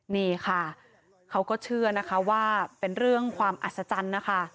นี่ค่ะเขาก็เชื่อนะคะว่าเป็นเรื่องความอัศจรรย์นะคะ